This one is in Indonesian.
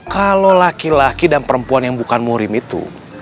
kalau laki laki dan perempuan yang bukan murim itu